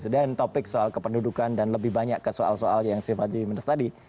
dan topik soal kependudukan dan lebih banyak ke soal soal yang si fadzi menestadi